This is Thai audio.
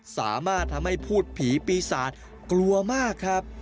สามารถทำให้พูดผีปีศาจกลัวมากครับ